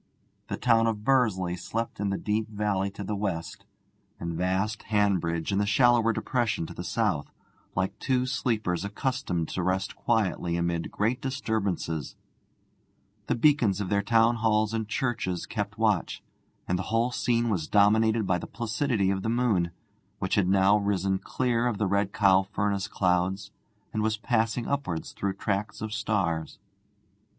The town of Bursley slept in the deep valley to the west, and vast Hanbridge in the shallower depression to the south, like two sleepers accustomed to rest quietly amid great disturbances; the beacons of their Town Halls and churches kept watch, and the whole scene was dominated by the placidity of the moon, which had now risen clear of the Red Cow furnace clouds, and was passing upwards through tracts of stars.